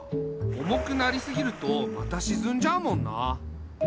重くなりすぎるとまたしずんじゃうもんな。